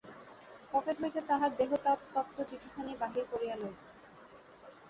Pocket হইতে তাহার দেহতাপতপ্ত চিঠিখানি বাহির করিয়া লইল।